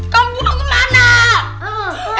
kamu buang kemana